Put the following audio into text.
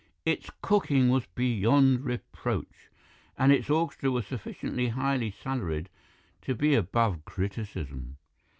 Its cooking was beyond reproach, and its orchestra was sufficiently highly salaried to be above criticism.